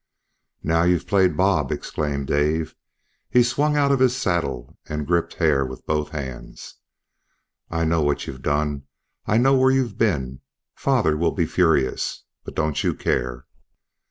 "Now you've played bob!" exclaimed Dave. He swung out of his saddle and gripped Hare with both hands. "I know what you've done; I know where you've been. Father will be furious, but don't you care."